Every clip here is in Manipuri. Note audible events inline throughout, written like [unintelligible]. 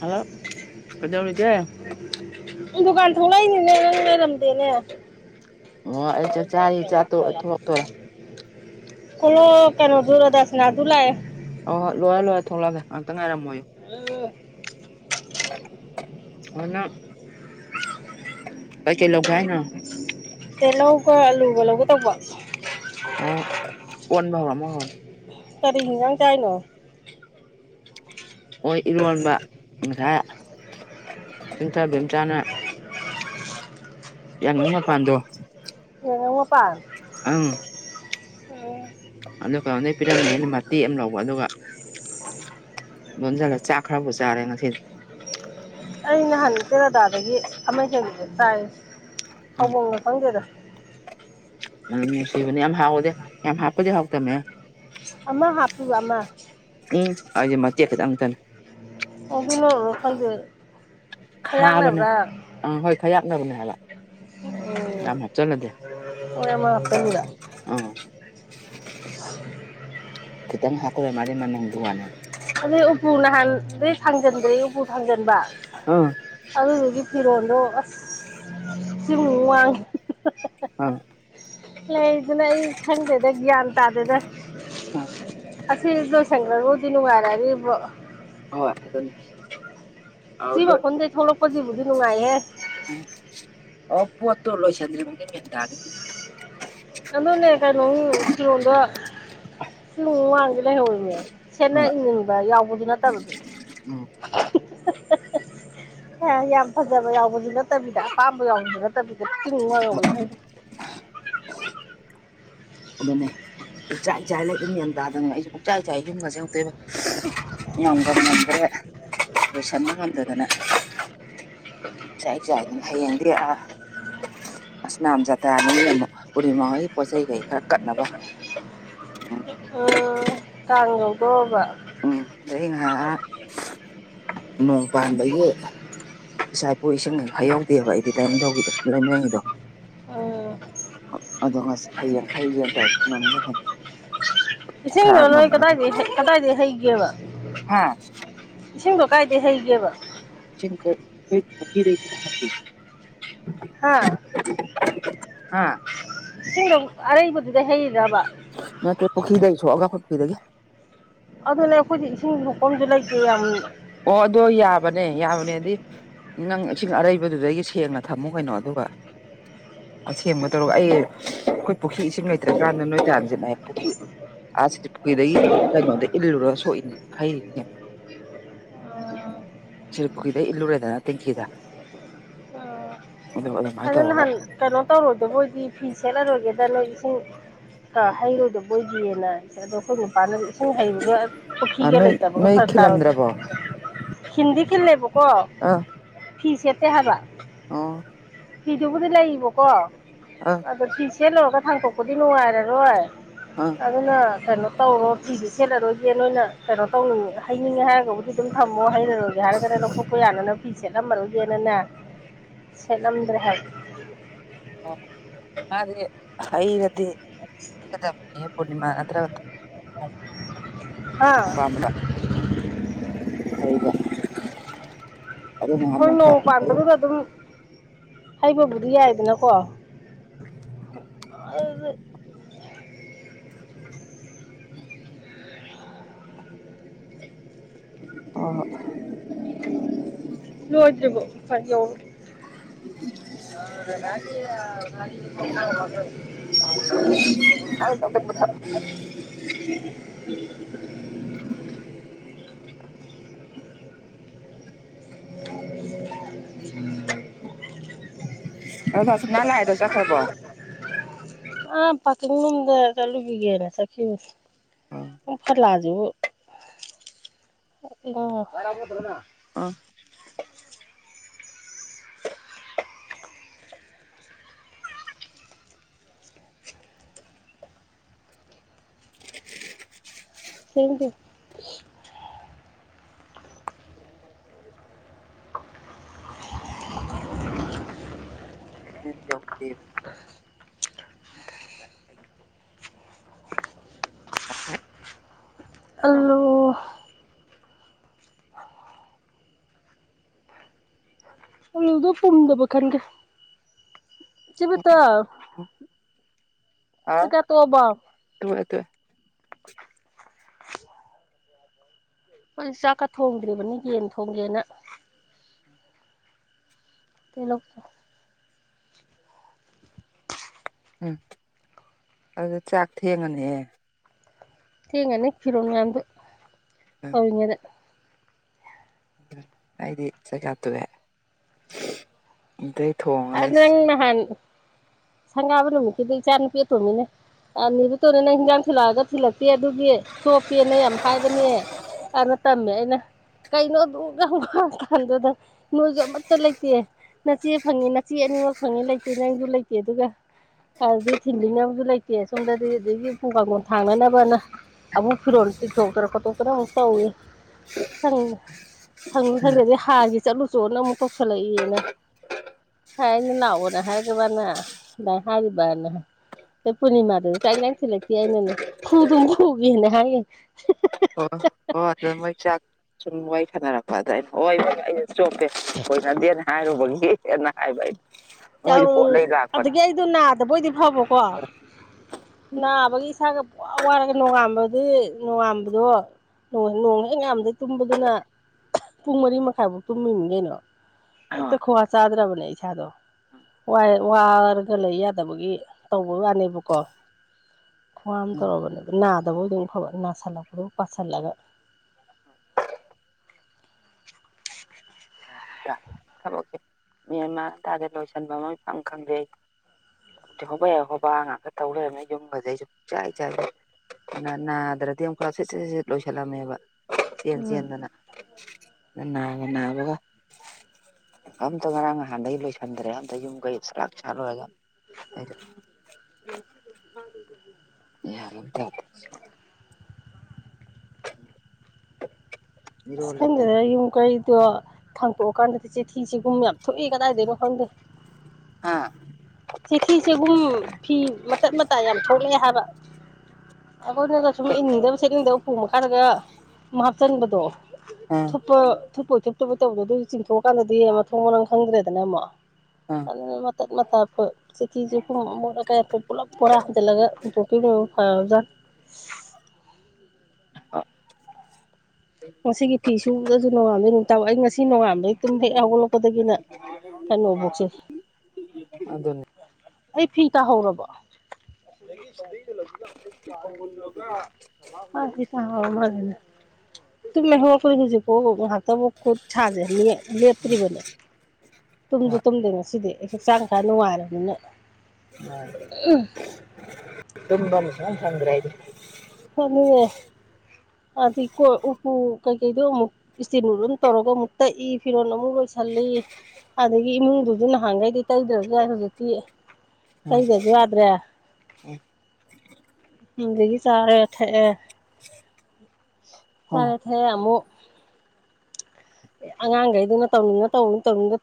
ꯍꯜꯂꯣ ꯀꯩꯗꯧꯔꯤꯒꯦ ꯑꯣꯂ ꯗꯨꯀꯥꯟ ꯊꯣꯛꯂꯛꯏꯅꯤꯅꯦ ꯅꯪ ꯂꯩꯔꯝꯗꯦꯅꯦ ꯑꯣ ꯑꯩ ꯆꯥꯛ ꯀ ꯆꯥꯔꯤ ꯆꯥꯛ ꯇꯣꯛꯑ ꯃ ꯊꯣꯛꯂꯛꯇꯣꯔꯦ ꯍꯂꯣ ꯀꯩꯅꯣ ꯖꯔꯣꯗꯁꯅꯥ ꯑꯗꯨꯨꯂꯌꯦ ꯑꯣ ꯍꯣꯏ ꯂꯣꯏꯔ ꯂꯣꯏꯔ ꯊꯣꯛꯂꯛꯑꯒꯦ ꯉꯥꯛꯇ ꯉꯥꯏꯝꯃꯦ ꯑ ꯑꯣꯅ ꯀꯩꯆꯂ ꯍꯥꯏꯥꯏꯅ ꯇꯤꯜꯍꯧꯒ ꯑꯂꯨꯒ ꯂꯧꯒ ꯇꯧꯕ ꯑꯣ ꯄꯟꯃ ꯍꯔ ꯑꯃ ꯍꯔ ꯀꯔꯤ ꯍꯤꯡꯖꯥꯡ ꯀꯥꯏꯅꯣ ꯍꯣꯏ ꯏꯔꯣꯟꯕ ꯉꯁꯥꯏ ꯆꯤꯡꯊꯕ ꯆꯥꯅ ꯌꯥꯝ ꯉꯉ ꯄꯗꯣ ꯋꯥꯄꯥꯟ ꯑꯪ ꯑꯗꯨ ꯀꯩꯅꯣꯝꯗꯩ ꯄꯤꯔꯝꯃꯦ ꯑꯅ ꯃꯇꯦꯛ ꯑꯃ ꯂꯧꯕ ꯑꯗꯨꯒ [unintelligible] [unintelligible] ꯂꯣꯟꯖꯂ ꯆꯥꯈꯔꯕꯨꯣ ꯆꯔꯦ ꯅꯁꯤ ꯑꯩ ꯅꯍꯥꯟ ꯇꯦꯔꯥꯗꯥꯗꯒꯤ ꯑꯃ ꯍꯦꯟꯕꯁꯦ ꯆꯥꯏ ꯑꯕꯣꯡꯒ ꯈꯪꯗꯦꯗ ꯑꯗꯨꯝ ꯅꯨꯡꯁꯤꯕꯅꯦ ꯌꯥꯝ ꯍꯥꯎꯋꯗꯦ ꯌꯥꯝ ꯍꯥꯞꯄꯗꯤ ꯍꯥꯎꯇꯕꯃꯦ ꯋꯥꯃ ꯎꯝ ꯑꯩꯗꯤꯦ ꯃꯇꯦꯛ ꯈꯤꯇꯪꯇꯅꯦ ꯑꯣꯕꯤꯅꯔꯣ ꯈꯪꯗꯦ ꯈꯌꯥꯡꯅꯕ꯭ꯔꯥ ꯐꯌꯥꯥꯛꯅꯔꯨꯅꯍꯂ ꯌꯥꯝꯃ ꯆꯂꯗ ꯃꯣꯏ ꯑꯃ ꯍꯥꯞꯆꯜꯂꯨꯔꯦ ꯑ ꯀꯈꯤꯇꯪ ꯍꯥꯀ꯭ꯔꯦ ꯃꯅꯤ ꯃꯅꯦꯅꯤꯡꯗꯨꯋꯥꯅꯦꯦ ꯑꯗꯨꯩ ꯎꯄ꯭ꯔꯨꯅꯍꯥꯟ ꯊꯥꯡꯖꯟꯕ꯭ꯔꯦ ꯎꯄ꯭ꯔꯨ ꯊꯥꯡꯖꯟꯕ ꯑ ꯑꯗꯨꯗꯨꯒꯤ ꯐꯤꯔꯣꯜꯗꯣ ꯑꯁ ꯁꯤꯃꯛ ꯋꯥꯡꯉꯤ ꯑꯪ ꯂꯩꯗꯅ ꯑꯩ ꯈꯪꯗꯦꯗ ꯒ꯭ꯌꯥꯟ ꯇꯥꯗꯦꯗ ꯎꯝ ꯑꯁꯤꯁꯗꯣ ꯁꯪꯀꯔ ꯃꯣꯗꯤꯅꯨꯒꯔꯦꯒꯤ ꯍꯣꯏ ꯑꯗꯨꯅꯦ ꯑꯧ ꯁꯤ ꯂꯣꯏ ꯃꯈꯐꯝꯗꯤꯦ ꯊꯣꯛꯂꯛꯄꯁꯤꯕꯨꯗꯤ ꯅꯨꯡꯉꯥꯏꯍꯦ ꯑꯣꯕꯨꯠꯇ ꯂꯣꯏ ꯆꯗ꯭ꯔꯦ ꯃꯗꯒꯦ ꯑꯗꯟꯅ ꯀꯥꯏꯩꯅꯣ ꯀꯤꯣꯗ ꯁ ꯃꯥꯡꯗꯤꯦ ꯂꯩꯍꯧꯔꯤꯅꯦ ꯁꯦꯠꯅ ꯍꯣꯏ ꯏꯪꯅꯤꯡꯕ ꯌꯥꯎꯕꯗꯨ ꯅꯠꯇꯕꯗ ꯎꯝ [unintelligible] ꯑꯦ ꯌꯥꯝ ꯐꯖꯕ ꯌꯥꯎꯕꯁꯨ ꯅꯠꯇꯕꯤꯗ ꯑꯄꯥꯝꯕ ꯌꯥꯎꯕꯁꯨ ꯅꯠꯇꯕꯤꯗ ꯆꯤꯡ ꯅꯨꯡꯉꯡꯉꯧꯕꯩ ꯈꯪꯗꯦ [unintelligible] ꯄꯨꯥꯛꯆꯆꯥ ꯏꯆꯥꯏ ꯂꯩ ꯑꯗꯨꯝ ꯃꯟ ꯇꯥꯗꯅ ꯑꯩꯁꯨꯦ ꯄꯨꯛꯆꯥꯏ ꯏꯆꯥꯏ ꯌꯨꯝꯒꯁꯨ ꯌꯥꯛꯇꯣꯏꯕ ꯌꯥꯝ ꯑꯗꯨ ꯁꯥꯅ ꯉꯥꯟꯗ ꯈ [inaudible] ꯆꯥꯏ ꯆꯥꯏ ꯑꯗꯨꯅ ꯍꯌꯦꯡꯗꯤ ꯑꯥ ꯑꯁ ꯃ ꯖꯥꯇꯥꯅꯤ ꯎꯔꯤꯃꯒꯤ ꯄꯣꯠ ꯆꯩꯩ ꯀꯩ ꯈꯔ ꯀꯠꯅꯕ ꯎꯝ ꯑꯣ ꯅꯪꯣ ꯀꯕ [inaudible] ꯎꯝ ꯑꯗꯩ ꯉꯥꯏꯍꯥꯛ ꯅꯣꯡ ꯄꯥꯟꯕꯒꯤ ꯏꯆꯥ ꯏꯄꯨ ꯏꯁꯤꯡ ꯐꯩꯍꯧꯗꯦꯕ ꯑꯩꯗꯤ ꯂꯥꯏꯅꯤꯡꯊꯧꯧꯒꯤꯗꯣ ꯂꯔꯃꯤꯔꯦꯟꯒꯤꯗꯣ ꯎꯝ ꯑꯗꯣ ꯉꯁꯤ ꯍꯌꯦꯡ ꯍꯌꯦꯡ ꯇꯧꯔ ꯉꯝꯖ ꯏꯁꯤꯡꯗꯣ ꯅꯣꯏ ꯀꯗꯥꯏꯗꯒꯤꯩ ꯀꯗꯥꯏꯗꯒꯤꯩ ꯍꯩꯒꯦꯕ ꯍꯥꯥ ꯏꯁꯤꯡꯗꯣ ꯀꯥꯏꯗꯩ ꯍꯩꯒꯦꯕ ꯆ ꯍꯥꯏ [unintelligible] ꯍꯥꯥ ꯑꯥ ꯏꯁꯤꯡꯗꯣ ꯑꯔꯩꯕꯗꯨꯗ ꯍꯩꯗꯕ ꯅꯠꯇꯦ ꯄꯨꯈ꯭ꯔꯤꯗꯒꯤ ꯁꯣꯛꯑꯒ ꯑꯩꯈꯣꯏ ꯄꯨꯈ꯭ꯔꯤꯗꯒꯤ ꯑꯗꯨꯅꯦ ꯑꯩꯈꯣꯏꯗꯤ ꯏꯁꯤꯡ ꯊꯣꯛꯐꯝꯐꯝꯁꯨ ꯂꯩꯇꯦ ꯌꯥꯝ ꯑꯣ ꯑ ꯑꯗꯨꯣ ꯌꯥꯕꯅꯦ ꯌꯥꯕꯅꯦꯗꯤ ꯅꯪ ꯏꯁꯤꯡ ꯑꯔꯩꯕꯗꯨꯗꯒꯤ ꯁꯦꯡꯅ ꯊꯝꯃꯨ ꯀꯩꯅꯣ ꯑꯗꯨꯒ ꯑꯁꯦꯡꯕ ꯇꯧꯔꯛ ꯑꯩ ꯑꯩꯈꯣꯏ ꯄꯨꯈ꯭ꯔꯤ ꯏꯁꯤꯡ ꯂꯩꯇ꯭ꯔꯀꯥꯟꯗ ꯅꯣꯏ ꯇꯥꯁꯤꯅ ꯄꯨꯈ꯭ꯔꯤ ꯑꯁꯄꯗ ꯏꯜꯂ ꯁ ꯍꯥꯏ [inaudible] ꯁꯤꯔꯄꯨꯈꯗ ꯏꯜꯂꯨꯨꯔꯦꯗꯅ ꯇꯦꯡꯤꯡꯀꯤꯗ ꯑꯗ ꯑꯗꯨ ꯑꯗꯨ ꯃꯥꯏ ꯇꯧꯔꯒ ꯀꯩꯅꯣ ꯇꯧꯔꯨꯗ ꯃꯣꯏꯗꯤ ꯐꯤ ꯁꯦꯠꯂꯔꯣꯏꯒꯦꯗ ꯅꯣꯏ ꯏꯁꯤꯡ ꯑ ꯍꯩꯔꯣꯏꯗꯕꯣꯏꯒꯤꯦꯅ ꯑꯗꯣ ꯑꯩꯈꯣꯏ ꯃꯄꯥꯟꯗ ꯏꯁꯤꯡ ꯍꯩꯔꯒ ꯄꯨꯈ꯭ꯒ ꯅꯣꯏ ꯂꯩꯇꯕꯒ ꯅꯣꯏ ꯐꯔ ꯇꯥꯔꯗꯦ ꯈꯤꯜꯂꯝꯗ꯭ꯔꯕꯣ ꯍꯤꯟꯗꯤ ꯀꯤꯟ ꯂꯩꯕ ꯀꯣ ꯐꯤꯤꯁꯦꯇ ꯍꯕ ꯑ [inaudible] ꯐꯤꯗꯨꯕꯨꯗꯤ ꯂꯩꯕꯀꯣ ꯑꯥ ꯑꯗꯣ ꯐꯤꯁꯦ ꯂꯧꯣꯏꯔꯒ ꯊꯥꯡꯇꯣꯛꯄꯗꯤ ꯅꯨꯡꯉꯥꯏꯔꯔꯣꯏ ꯑꯥ ꯑꯗꯨꯅ ꯀꯩꯅꯣ ꯇꯧꯔꯣ ꯐꯤꯗꯤꯦ ꯁꯦꯠꯂꯔꯣꯏꯁꯦ ꯅꯣꯏꯅ ꯀꯩꯅꯣ ꯇꯧꯅꯤꯡ ꯍꯩꯅꯤꯡꯉꯦ ꯍꯥꯏꯔꯒꯕꯨꯗꯤ ꯑꯗꯨꯝ ꯊꯝꯃꯣ ꯍꯩꯔꯒꯦ ꯍꯥꯏꯔꯒꯔ ꯂꯧꯈꯠꯄ ꯌꯥꯅꯅꯕ ꯐꯤꯁꯦ ꯁꯦꯠꯂꯝꯃꯔꯨꯗꯦꯅꯅꯦ ꯁꯦꯠꯂꯝꯗ꯭ꯔꯦ ꯍꯥꯏꯕ ꯑꯣ ꯃꯥꯗꯤ ꯍꯔꯗꯤ ꯄ ꯄꯨꯔꯅꯤꯃꯥ ꯅꯠꯇ ꯑꯥ ꯀꯝꯂ ꯍꯥꯏꯕ ꯑꯗꯨ ꯍꯣꯏ ꯅ ꯅꯣꯡ ꯄꯥꯟꯕꯗꯨꯗ ꯑꯗꯨꯝ ꯍꯩꯕꯕꯨꯗꯤ ꯌꯥꯏꯗꯅꯀꯣ ꯑꯗꯨ ꯑ [unintelligible] ꯂꯣꯏꯗ꯭ꯔꯤꯕꯣ ꯐꯔ ꯌꯧ ꯍ [inaudible] ꯇ ꯀ [unintelligible] [inaudible] ꯎ [unintelligible] ꯎꯝ ꯑꯁꯨꯅ ꯂꯥꯛꯑꯗ ꯆꯈ꯭ꯔꯕꯣ ꯑ ꯄꯥꯀꯤꯡꯂꯣꯝꯗ ꯆꯠꯂꯨꯈꯤꯒꯦꯅꯦ ꯆꯠꯈꯤꯕꯅꯤ ꯐꯠꯂꯁꯨ ꯑ [inaudible] [unintelligible] [inaudible] [unintelligible] [inaudible] ꯊꯦꯡꯗꯤ [unintelligible] ꯌꯧꯈ꯭ꯔꯦꯕ [unintelligible] [unintelligible] ꯑꯂꯨꯗꯨ ꯄꯨꯝꯗꯕ ꯈꯟꯒꯦ ꯏꯆꯦ ꯕꯇ ꯑꯥ [unintelligible] [unintelligible] ꯍꯣꯏ ꯆꯥꯛꯀ ꯊꯣꯡꯗ꯭ꯔꯤꯕꯅꯤ ꯌꯦꯟ ꯊꯣꯡꯒꯦꯅ [unintelligible] ꯎꯝ ꯑꯗꯨꯗ ꯆꯥꯛ ꯊꯦꯡꯉꯅꯤꯍꯦ ꯊꯦꯡꯉꯥꯅꯤ [unintelligible] ꯑꯩꯗꯤ ꯆꯥꯛ ꯆꯥꯇꯣꯛꯑꯦ ꯑꯗꯣ ꯅꯪ ꯅꯍꯥꯟ [unintelligible] ꯁꯪꯒꯥꯕ ꯅꯨꯃꯤꯠꯀꯤꯗꯨ ꯏꯆꯥ ꯅꯨꯄꯤ ꯑꯇꯣꯝꯕꯤꯅꯦ ꯑꯅꯤꯕꯨ ꯇꯣꯔ ꯅꯪ ꯍꯤꯟꯖꯥꯡ ꯊꯤꯜꯂꯛꯑꯒ ꯊꯤꯜꯂꯛꯇꯦ ꯑꯗꯨꯒꯤ ꯆꯣꯛꯞꯄꯦꯅ ꯌꯥꯝ ꯍꯥꯏꯕꯅꯦ ꯑꯅ ꯇꯝꯃꯦ ꯑꯩꯅ ꯀꯩꯅꯣ ꯑꯗꯨ [unintelligible] ꯅꯣꯏꯁꯨ ꯑꯃꯠꯇ ꯂꯩꯇꯦ ꯅꯆꯦ ꯐꯪꯉꯤ ꯅꯆꯦ ꯑꯅꯤꯃꯛ ꯐꯪꯉꯦ ꯂꯩꯇꯦ ꯅꯪꯁꯨ ꯂꯩꯇꯦ ꯑꯗꯨꯒ ꯑꯗꯨꯗꯤ ꯊꯤꯟꯕꯤꯅꯕꯁꯨ ꯂꯩꯇꯦ ꯁꯣꯝꯗꯗꯤ ꯑꯗꯨꯗꯒꯤ ꯎꯄꯨ ꯀꯥꯡꯊꯣꯡ ꯊꯥꯡꯅꯅꯕꯅ ꯍꯥꯏꯅ ꯑꯃꯨꯛ ꯐꯤꯔꯣꯜ ꯇꯤꯟꯊꯣꯛꯇꯔ ꯈꯣꯠꯇꯣꯛ ꯇꯅ ꯑꯃꯨꯛ ꯇꯧꯋꯦ ꯁꯪ ꯁꯪꯁꯨ ꯁꯪꯗꯦꯗꯤ ꯍꯥꯔꯒꯤ ꯆꯠꯂꯨ ꯆꯣꯅ ꯑꯃꯨꯛ ꯇꯧꯁꯜꯂꯛꯏꯌꯦꯅ ꯍꯥꯏ ꯑꯩꯅ ꯂꯥꯛꯑꯣꯅꯦ ꯍꯥꯏꯔꯒ ꯃꯥꯅ ꯑꯗꯥꯏ ꯍꯥꯏꯔꯔꯤꯕꯅ ꯑꯩ ꯄꯨꯔꯅꯤꯃꯥꯗꯁꯨ ꯆꯥꯛ ꯍꯤꯖꯥꯡ ꯊꯤꯜꯂꯛꯇꯦ ꯑꯩꯅꯅꯦ ꯐꯨꯗꯨꯝ ꯄꯨꯨꯒꯅ ꯍꯥꯏꯈꯤꯕꯅꯦ ꯑꯣ ꯑꯣ ꯑꯗꯨ ꯃꯣꯏ ꯆꯥꯛ ꯁꯨꯝ ꯋꯥꯔꯤ ꯁꯥꯅꯔꯛꯄ ꯑꯗꯨꯥꯏ ꯆꯣꯞꯄꯦ ꯀꯣꯏꯅꯗꯦꯅ ꯍꯥꯏꯔꯨꯕꯒꯤꯅ ꯍꯥꯏꯕ ꯑꯩ ꯃꯣꯏꯗꯤ ꯄꯣꯠ ꯂꯩ ꯂꯥꯛꯄꯅꯦ ꯑꯗꯨꯒꯤ ꯑꯩꯗꯨ ꯅꯥꯗꯕꯣꯏꯗꯤ ꯐꯕꯀꯣ ꯅꯥꯕꯒꯤ ꯏꯁꯥꯒ ꯋꯥꯔꯒ ꯅꯣꯡꯉꯥꯝꯕꯒꯤ ꯅꯣꯡꯉꯥꯝꯕꯗꯣ ꯅꯣꯡ ꯍꯦꯛ ꯉꯥꯝꯗꯩ ꯇꯨꯝꯕꯗꯨꯅ ꯄꯨꯡ ꯃꯔꯤ ꯃꯈꯥꯏꯐꯥꯎ ꯇꯨꯝꯃꯤꯅꯤ ꯀꯩꯅꯣ ꯍꯦꯛꯇ ꯈꯨꯋꯥ ꯆꯥꯗ꯭ꯔꯕꯅꯦ ꯏꯁꯥꯗꯣ ꯋꯥꯔꯒ ꯂꯩ ꯌꯥꯗꯕꯒꯤ ꯇꯧꯕꯩ ꯋꯥꯅꯦꯕꯀꯣ ꯈꯨꯋꯥ ꯑꯃ ꯇꯩꯔꯕꯅ ꯅꯥꯗꯕ ꯑꯣꯏꯔꯗꯤ ꯐꯕ ꯅꯥꯜꯂꯛꯄꯒ ꯄꯁꯤꯜꯂꯒ ꯊꯕꯛꯁꯦ ꯃꯦꯟꯃꯥ ꯑꯃ ꯇꯥꯗꯦ ꯂꯣꯏꯁꯤꯟꯕ ꯑꯃ ꯏꯈꯪꯗꯦ ꯑꯩ ꯍꯣꯕ ꯌꯥꯏ ꯍꯣꯕ ꯉꯥꯏꯥꯛ ꯇꯧ ꯂꯩꯔꯝꯃꯦ ꯌꯨꯝꯒꯁ ꯑꯩꯁꯨ ꯄꯨꯡ ꯆꯥꯏꯔꯦ ꯑꯗꯨ ꯅꯥꯗ꯭ꯔꯗꯤ ꯑꯃꯛ ꯈꯔ ꯁꯨꯠ ꯁꯠ ꯁꯠ ꯂꯣꯏꯁꯤꯜꯂꯝꯃꯦꯕ ꯆꯦꯟ ꯆꯦꯟꯗꯅ ꯑꯗ ꯅꯥꯒ ꯅꯥꯕꯒ ꯑꯝꯇ ꯉꯔꯥꯡ ꯅꯍꯥꯟꯗꯒꯤ ꯂꯣꯏꯁꯟꯗ꯭ꯔꯦ ꯑꯝꯇ ꯌꯨꯝ ꯀꯩ ꯆꯥꯛꯂꯥꯛ ꯁꯥꯂꯣꯏꯔꯒ [unintelligible] [unintelligible] [inaudible] ꯑꯁ ꯂꯩꯇꯝ ꯈꯟꯗꯦꯗ ꯌꯨꯝ ꯀꯩꯗꯣ ꯊꯥꯡꯇꯣꯛꯑꯀꯥꯟꯗꯗꯤ ꯆꯤꯊꯤꯆꯦꯒꯨꯝ ꯌꯥꯝ ꯊꯨꯏ ꯀꯗꯥꯏꯗꯩꯅꯣ ꯈꯪꯗꯦ ꯍꯥꯥ ꯆꯤꯊꯤ ꯆꯦꯒꯨꯝ ꯐꯤ ꯃꯇꯠ ꯃꯇꯥꯏ ꯌꯥꯝ ꯊꯣꯛꯂꯛꯑꯦ ꯍꯥꯏꯕ ꯑꯩꯈꯣꯏꯅꯁꯨ ꯁꯨꯝ ꯀꯩ ꯏꯟꯅꯤꯡꯗꯕ ꯁꯦꯠꯅꯤꯡꯗꯕ ꯎꯄꯨ ꯃꯈꯜꯔꯒ ꯍꯥꯞꯆꯤꯟꯕꯗꯣ ꯑ ꯊꯨꯞꯄ ꯊꯨꯞꯄ ꯊꯨꯞꯇꯕꯣꯏ ꯇꯧꯕꯗꯣ ꯑꯗꯨ ꯆꯤꯡꯊꯣꯛꯑꯀꯥꯟꯗꯗꯤ ꯃꯊꯣꯡ ꯃꯅꯪ ꯈꯪꯗ꯭ꯔꯦꯗꯅ ꯑꯃꯨꯛ ꯑꯗꯨꯅ ꯃꯇꯠ ꯃꯇꯥ ꯑꯩꯈꯣꯏ ꯆꯤꯊꯤ ꯆꯦꯈꯨꯝ ꯄꯨꯂꯞ ꯕꯣꯔꯥ ꯍꯥꯟꯖꯤꯜꯂꯒ ꯑꯗꯨꯅꯕꯨ ꯐꯔ ꯖꯠꯅꯦ [unintelligible] ꯉꯁꯤꯒꯤ ꯐꯤ ꯁꯨꯕꯗꯁꯨ ꯅꯣꯉꯥꯟꯕꯗꯩ ꯅꯨꯃꯤꯠ ꯇꯥꯕ ꯐꯧ ꯑꯩ ꯉꯁꯤ ꯁꯤ ꯅꯣꯡꯉꯥꯟꯕꯩ ꯇꯨꯝ ꯍꯦꯛ ꯍꯧꯒꯠꯂꯛꯄꯗꯒꯤꯅ ꯀꯩꯅꯣꯕꯣꯛꯁꯦ ꯑꯗꯨ ꯑꯗꯨꯅꯤ ꯑꯩ ꯐꯤ ꯇꯥꯍꯧꯔꯕꯣ ꯆꯅ ꯑꯗꯨꯝꯍ ꯑꯩꯈꯣꯏꯔꯨꯖꯤꯀꯣ ꯉꯥꯏꯍꯥꯛꯇꯕꯨ ꯈꯨꯠ ꯁꯥꯥꯁꯦ ꯂꯦꯞꯇ꯭ꯔꯤꯕꯅꯦ ꯇꯨꯝꯁꯨ ꯍꯣꯏ ꯇꯨꯝꯗꯦ ꯉꯁꯤꯗꯤ ꯑꯩ ꯍꯛꯆꯥꯡ ꯈꯔ ꯅꯨꯡꯉꯥꯏꯔꯕꯅꯤꯅ ꯑ ꯇꯒꯝꯁ ꯆꯪꯗ꯭ꯔ ꯍꯥꯏꯗꯤ ꯐꯃꯣ ꯑꯩ ꯀꯣꯏ ꯎꯄꯨ ꯀꯩꯀꯩꯗꯨꯣ ꯑꯃꯨꯛ ꯏꯇꯤꯝ ꯇꯧꯔꯒ ꯑꯃꯨꯛ ꯇꯛꯏ ꯐꯤꯔꯣꯟꯜ ꯑꯃꯨꯛ ꯂꯣꯏ ꯁꯂꯤ ꯑꯗꯒꯤ ꯏꯃꯨꯡꯗꯨꯁꯨ ꯅꯍꯥꯟꯈꯩꯗꯤ ꯇꯩꯗ꯭ꯔꯕꯁꯨ ꯌꯥꯏ ꯍꯧꯖꯤꯛꯇꯤ ꯎꯝ ꯀꯩꯗꯁꯨ ꯌꯥꯗ꯭ꯔꯦ ꯗꯒꯤ ꯆꯔꯦ ꯊꯦ ꯆꯔꯦ ꯍꯣ ꯊꯦ ꯑꯃꯃꯨꯛ ꯑꯉꯥꯡꯈꯩꯗꯨꯅ ꯇꯧꯅꯤꯡꯅ ꯇꯧ ꯇꯧꯅꯤꯡꯗ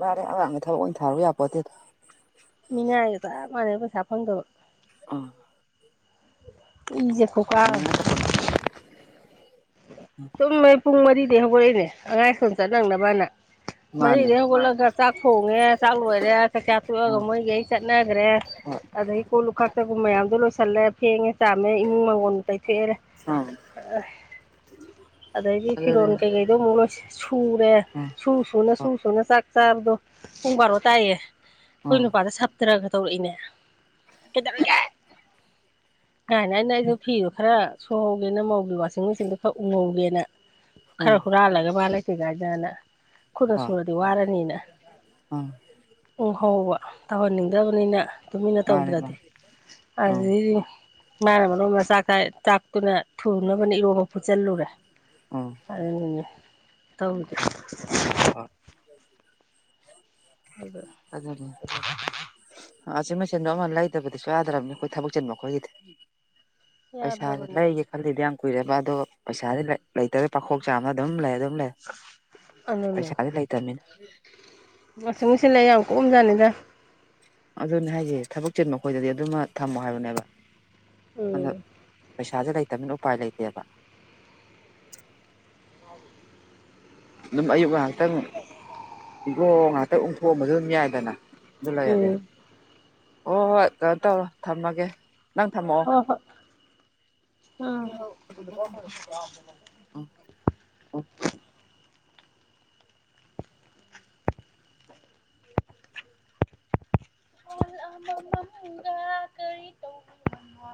ꯃꯥꯔꯦ ꯑꯉꯥꯡꯒꯤ ꯊꯕꯛ ꯑꯣꯏꯅ ꯊꯥꯔꯨ ꯌꯥꯄꯣꯠꯇꯦꯗ ꯃꯤꯅꯒꯦꯗ ꯃꯥꯅꯦ ꯄꯩꯁꯥ ꯐꯪꯗꯕ ꯑꯥ ꯎꯝ ꯅꯤꯡꯉ ꯆꯄꯅꯤ ꯆꯨꯝꯃꯦ ꯄꯨꯡ ꯃꯔꯤꯗꯒꯤ ꯍꯧꯔꯛꯏꯅꯦ ꯑꯉꯥꯏ ꯁꯣꯝ ꯆꯠ ꯅꯪꯅꯕꯅ ꯍ ꯃꯔꯤꯗꯩ ꯍꯧꯒꯠꯂꯒ ꯆꯥꯛ ꯊꯣꯡꯉꯦ ꯆꯥꯛ ꯂꯣꯏꯔꯦ ꯆꯥꯛꯆꯥ ꯇꯣꯛꯑꯒ ꯎꯝ ꯃꯣꯏꯒꯤ ꯑꯩ ꯆꯠꯅꯈ꯭ꯔꯦ ꯍꯣꯏ ꯑꯗꯒꯤ ꯀꯣꯜꯂꯨ ꯈꯛꯇꯒ ꯃꯌꯥꯝꯗꯣ ꯂꯣꯏꯁꯤ ꯆꯠꯂꯦ ꯐꯦꯡꯉꯦ ꯆꯥꯝꯃꯦ ꯏꯃꯨꯡ ꯃꯪꯒꯣꯟ ꯇꯩꯊꯣꯛꯑꯦꯔ ꯎꯝ ꯑꯗꯩꯗꯤ ꯑꯗꯨꯅꯦ ꯐꯤꯔꯣꯟꯜ ꯀꯩꯀꯩꯗꯣ ꯑꯃꯨꯛ ꯂꯣꯏ ꯁꯨꯔꯦ ꯎꯝ ꯁꯨ ꯁꯨꯅ ꯁꯨ ꯍꯣꯏ ꯁꯨꯅ ꯆꯥ ꯆꯥꯛꯔꯗꯣ ꯄꯨꯡꯕꯥꯔꯣ ꯇꯥꯏꯌꯦ ꯀꯣꯏ ꯎꯝ ꯅꯨꯄꯥꯗ ꯁꯥꯞꯇ꯭ꯔꯒ ꯇꯧꯔꯛꯏꯅꯦ ꯀꯅꯦ ꯑꯩꯅ [unintelligible] ꯑꯩꯗꯣ ꯐꯤꯗꯣ ꯈꯔ ꯁꯨꯍꯧꯒꯦꯅ ꯃꯧꯒꯦ ꯋꯥꯁꯤꯡ ꯃꯦꯆꯤꯟꯗꯣ ꯈꯔ ꯎꯍꯧꯒꯦꯅ ꯈꯔ ꯎꯝ ꯍꯨꯔꯥꯜꯂꯒ ꯃꯥꯕꯥ ꯂꯩꯇꯦ ꯀꯥꯏꯗꯅ ꯈꯨꯅ ꯁꯨꯔꯗꯤ ꯋꯥꯔꯅꯤꯅꯦ ꯑꯥ ꯄ ꯍꯧꯕ ꯇꯧꯍꯟꯅꯤꯡꯗꯕꯅꯤꯅ ꯇꯨꯃꯤꯟꯅ ꯃꯥꯅꯦ ꯇꯧꯗ꯭ꯔꯗꯤ ꯃꯥꯅꯦ ꯎꯝ ꯑꯗꯨꯗꯒꯤꯗꯤ ꯃꯥꯅ ꯃꯆꯥꯥꯛ ꯆꯥꯛꯇꯨꯅ ꯊꯨꯅꯕꯅꯦ ꯏꯔꯣ ꯐꯨꯠꯆꯜꯂꯨꯔꯦ ꯎꯝ ꯑꯗꯨ ꯇꯧꯒꯦ ꯍꯣꯏ ꯍꯣꯏ ꯑꯗ ꯑ ꯑꯆꯤꯟ ꯃꯆꯦꯟꯗꯣ ꯑꯃ ꯂꯩꯗꯕꯗꯤꯁꯨ ꯌꯥꯗ꯭ꯔꯕꯅꯤ ꯑꯩꯈꯣꯏ ꯊꯕꯛ ꯆꯤꯟꯕ ꯑꯩꯈꯣꯏꯒꯤꯗꯤ ꯄꯩꯁꯥ ꯌꯥꯗ꯭ꯔꯕꯅꯦ ꯂꯩꯒꯦ ꯈꯜꯗꯤ ꯀꯨꯏꯔꯔꯕ ꯑꯗꯣ ꯄꯩꯁꯥꯗꯤ ꯂꯩꯇ꯭ꯔ ꯄꯥꯈꯣꯛ ꯆꯥꯝꯅ ꯑꯗꯨꯝ ꯂꯩ ꯑꯗꯨꯝ ꯂꯩ ꯄꯩꯁꯥꯗꯤ ꯂꯩ ꯇꯃꯤ ꯃꯁꯤꯡꯁꯤꯜꯂ ꯌꯥꯝ ꯀꯨꯞꯑꯝꯖꯥꯠꯅꯤꯗ ꯑꯗꯨꯅꯦ ꯍꯥꯏꯁꯦ ꯊꯕꯛ ꯆꯤꯟ ꯃꯈꯣꯏꯗꯗꯤ ꯑꯗꯨꯃ ꯊꯝꯃꯣ ꯍꯥꯏꯕꯅꯦꯕ ꯎꯝ ꯑꯗꯣ ꯄꯩꯁꯥꯁꯦ ꯂꯩꯇꯕꯅ ꯎꯄꯥꯏ ꯂꯩꯇꯦꯕ ꯑꯗꯨꯝ ꯑꯌꯨꯛ ꯉꯍꯥꯛꯇꯪ ꯏꯒꯣ ꯉꯍꯥꯛꯇꯪ ꯑꯣꯟꯊꯣꯛꯑꯝꯕꯁꯨ ꯑꯗꯨꯝ ꯌꯥꯏꯗꯅ ꯑꯗꯨ ꯂꯩꯔꯒꯦ ꯎꯝ ꯍꯣꯏ ꯍꯣꯏ ꯀꯩꯅꯣ ꯇꯧꯔꯣ ꯊꯝꯃꯒꯦ ꯅꯪ ꯊꯝꯃꯣ ꯑ ꯑꯣ ꯎꯝ ꯜ ꯑꯃ ꯃꯃꯒ ꯀꯔꯤ ꯇꯧꯕꯏꯃꯣ